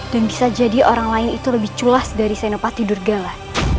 dan bisa jadi orang lain itu lebih culas dari senopati durgala